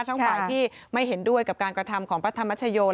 ทั้งฝ่ายที่ไม่เห็นด้วยกับการกระทำของพระธรรมชโย